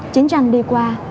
chiến tranh đi qua